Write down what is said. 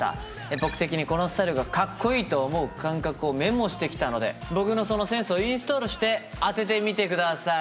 僕的にこのスタイルがかっこいいと思う感覚をメモしてきたので僕のそのセンスをインストールして当ててみてください。